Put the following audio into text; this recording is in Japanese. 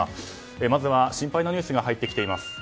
まずは心配なニュースが入ってきています。